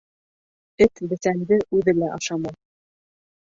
Эт бесәнде үҙе лә ашамай